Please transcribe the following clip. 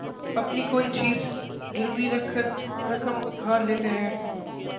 اپنی کوئی چیز گروی رکھ کر رقم ادھار لیتے ہیں